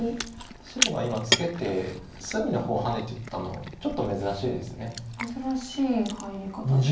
白が今ツケて隅の方ハネていったのちょっと珍しいです。